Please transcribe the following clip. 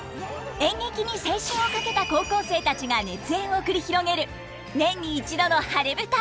演劇に青春を懸けた高校生たちが熱演を繰り広げる年に１度の晴れ舞台。